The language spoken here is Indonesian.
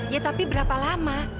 ya tapi berapa lama